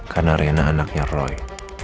karena rena anaknya roy